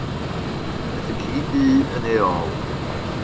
Daeth y ci du yn ei ôl.